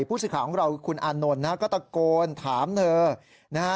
ผู้สื่อข่าวของเราคือคุณอานนท์นะฮะก็ตะโกนถามเธอนะฮะ